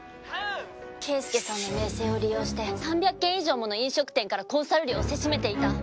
［ケイスケさんの名声を利用して３００軒以上もの飲食店からコンサル料をせしめていた］